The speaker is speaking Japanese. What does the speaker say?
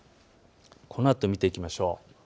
このあと見ていきましょう。